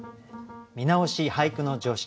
「見直し『俳句の常識』」